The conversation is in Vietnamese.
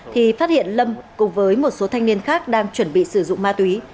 thì phát hiện lâm cùng với một số thanh niên khác đang chuẩn bị sử dụng ma túy